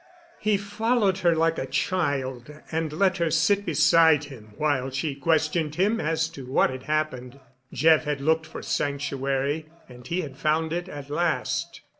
He followed her like a child and let her sit beside him while she questioned him as to what had happened. Jeff had looked for sanctuary, and he had found it at last.